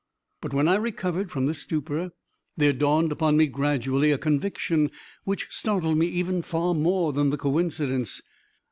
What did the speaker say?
But, when I recovered from this stupor, there dawned upon me gradually a conviction which startled me even far more than the coincidence.